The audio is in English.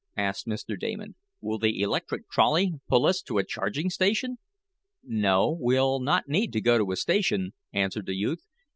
asked Mr. Damon. "Will the electric trolley pull us to a charging station?" "No, we'll not need to go to a station," answered the youth.